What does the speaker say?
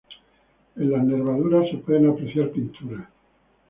En las nervaduras se pueden apreciar pinturas.